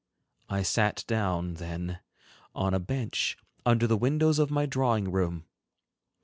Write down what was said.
I sat down, then, on a bench, under the windows of my drawing room.